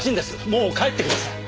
もう帰ってください。